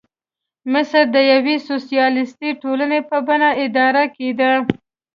مصر د یوې سوسیالیستي ټولنې په بڼه اداره کېده.